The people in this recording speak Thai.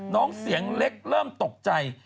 น้องเสียงเล็กเริ่มตกใจ